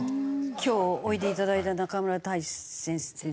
今日おいでいただいた中村太地先生。